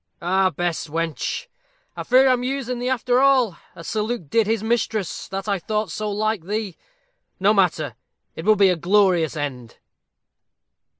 Ah! Bess, wench, I fear I'm using thee, after all, as Sir Luke did his mistress, that I thought so like thee. No matter! It will be a glorious end."